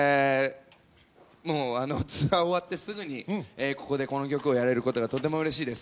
ツアー終わってすぐにこの曲をやれることがとてもうれしいです。